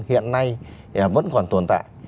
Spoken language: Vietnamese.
hiện nay vẫn còn tồn tại